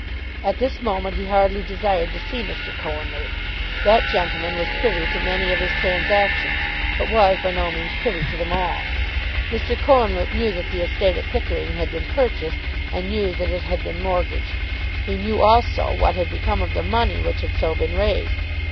At this moment he hardly desired to see Mr. Cohenlupe. That gentleman was privy to many of his transactions, but was by no means privy to them all. Mr. Cohenlupe knew that the estate at Pickering had been purchased, and knew that it had been mortgaged. He knew also what had become of the money which had so been raised.